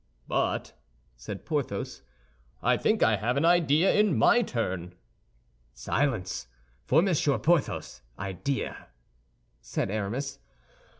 "But," said Porthos, "I think I have an idea, in my turn." "Silence for Monsieur Porthos's idea!" said Aramis.